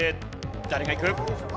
誰がいく？